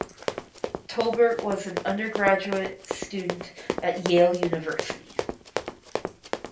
Tolbert was an undergraduate student at Yale University.